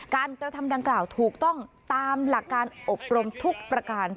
กระทำดังกล่าวถูกต้องตามหลักการอบรมทุกประการ